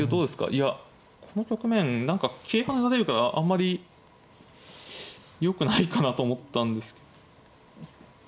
いやこの局面何か桂跳ねられるからあんまりよくないかなと思ったんですけど。